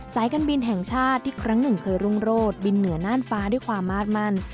สายการบินแห่งชาติที่ครั้งหนึ่งเคยรุ่งโรศบินเหนือน่านฟ้าด้วยความมาดมั่น